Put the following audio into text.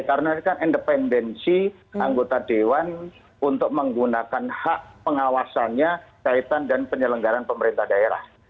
karena kan independensi anggota dewan untuk menggunakan hak pengawasannya kaitan dan penyelenggaran pemerintah daerah